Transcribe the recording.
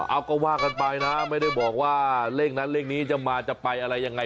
เอาก็ว่ากันไปนะไม่ได้บอกว่าเลขนั้นเลขนี้จะมาจะไปอะไรยังไง